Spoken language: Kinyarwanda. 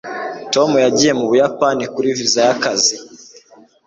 tom yagiye mu buyapani kuri viza y'akazi